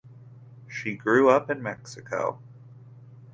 She grew up in Mexico.